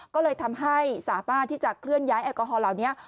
ก็เลยทำให้สามารถที่จะเคลื่อนย้ายแอลกอฮอลเหล่านี้